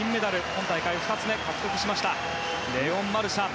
今大会２つ目を獲得したレオン・マルシャン。